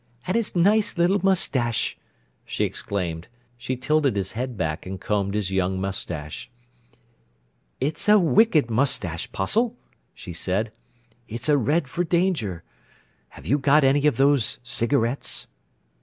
"And his nice little moustache!" she exclaimed. She tilted his head back and combed his young moustache. "It's a wicked moustache, 'Postle," she said. "It's a red for danger. Have you got any of those cigarettes?"